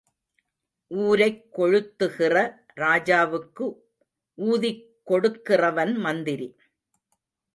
ஊரைக் கொளுத்துகிற ராஜாவுக்கு ஊதிக் கொடுக்கிறவன் மந்திரி.